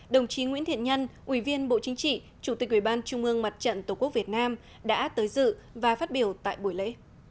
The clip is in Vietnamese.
đồng chí nguyễn thiện nhân ủy viên bộ chính trị chủ tịch ubnd tổ quốc việt nam đã tới dự và phát biểu tại buổi lễ